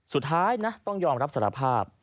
สุดท้ายนะต้องยอมรับสารภาพ